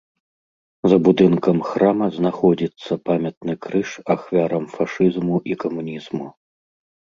За будынкам храма знаходзіцца памятны крыж ахвярам фашызму і камунізму.